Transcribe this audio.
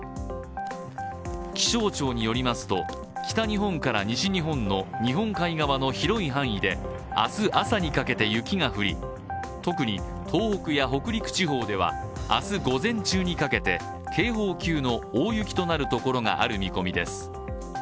気象庁によりますと北日本から西日本の日本海側の広い範囲で明日朝にかけて雪が降り、特に東北や北陸地方では明日午前中にかけて、警報級の大雪となるところがある見込みです。